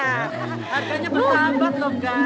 harganya berapa abad loh kan